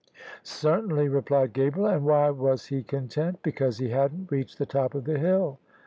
"Certainly," replied Gabriel. "And why was he con tent?" " Because he hadn't reached the top of the hill."